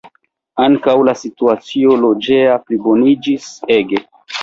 Ankaŭ la situacio loĝeja pliboniĝis ege.